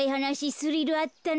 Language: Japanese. スリルあったな。